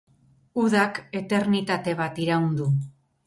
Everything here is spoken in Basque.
Udak eternitate bat iraun du.